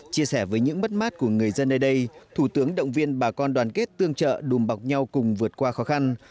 chia sẻ với những mất mát của người dân nơi đây thủ tướng động viên bà con đoàn kết tương trợ đùm bọc nhau cùng vượt qua khó khăn